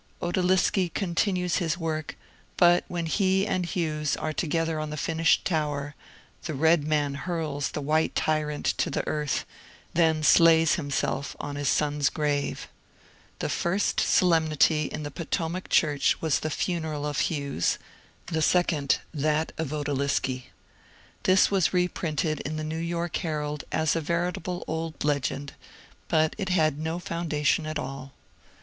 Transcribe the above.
Outaliski continues his work, but when he and Hughes are together on the finished tower, the red man hurls the white tyrant to the earth, then slays himself on his son's grave. The first solemnity in Potomac church was the funeral of Hughes, the second that of Outaliski. This was reprinted in the ^' New York Herald " as a veritable old legend, but it had no foundation at all.